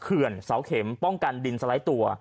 เขื่อนเสาเข็มป้องกันดินสไลด์ตัว